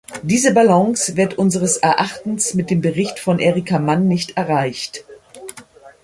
Diese Balance wird unseres Erachtens mit dem Bericht von Erika Mann nicht erreicht.